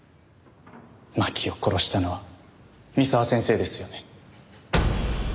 真希を殺したのは三沢先生ですよね？